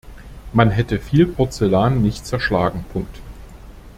Man hätte viel Porzellan nicht zerschlagen.